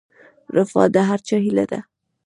رفاه د هر چا هیله ده